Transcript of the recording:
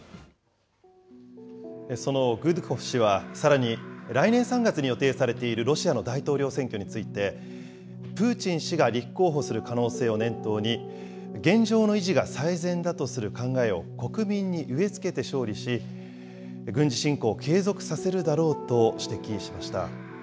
そのグドゥコフ氏は、さらに、来年３月に予定されているロシアの大統領選挙について、プーチン氏が立候補する可能性を念頭に、現状の維持が最善だとする考えを国民に植え付けて勝利し、軍事侵攻を継続させるだろうと指摘しました。